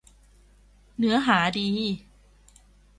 เนื้อหาดี